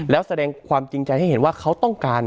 แล้วแสดงความจริงใจให้เห็นว่าเขาต้องการ